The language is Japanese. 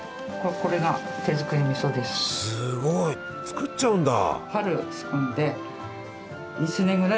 すごい！作っちゃうんだ！